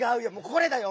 「これ」だよ！